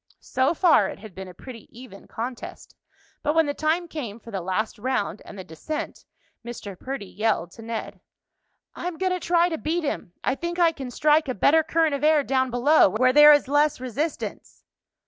So far, it had been a pretty even contest, but when the time came for the last round and the descent, Mr. Perdy yelled to Ned: "I'm going to try to beat him. I think I can strike a better current of air down below, where there is less resistance."